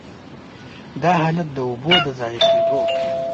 دا حالت د اوبو د ضایع کېدو.